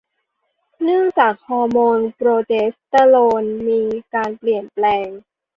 เนื่องจากฮอร์โมนโปรเจสเตอโรนมีการเปลี่ยนแปลง